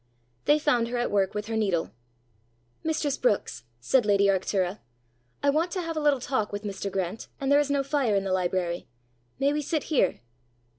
They found her at work with her needle. "Mistress Brookes," said lady Arctura, "I want to have a little talk with Mr. Grant, and there is no fire in the library: may we sit here?"